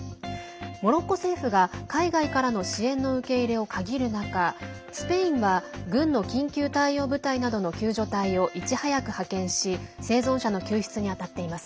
モロッコ政府が海外からの支援の受け入れを限る中スペインは軍の緊急対応部隊などの救助隊をいち早く派遣し生存者の救出に当たっています。